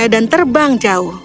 dan terbang jauh